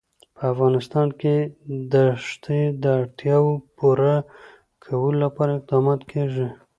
په افغانستان کې د ښتې د اړتیاوو پوره کولو لپاره اقدامات کېږي.